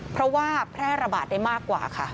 เพราะว่าแพร่ระบาดได้มากกว่าค่ะ